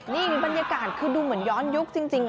นี่บรรยากาศคือดูเหมือนย้อนยุคจริง